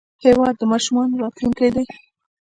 هېواد د ماشومانو راتلونکی دی.